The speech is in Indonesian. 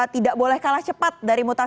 tidak boleh kalah cepat dari mutasi virus